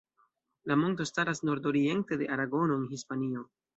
La monto staras nord-oriente de Aragono, en Hispanio.